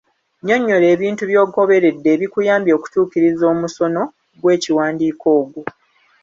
Nnyonnyola ebintu by'ogoberedde ebikuyambye okutuukiriza omusono gw'ekiwandiiko ogwo.